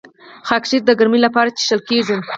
خاکشیر د ګرمۍ لپاره څښل کیږي.